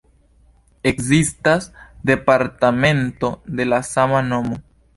Ekzistas departemento de la sama nomo.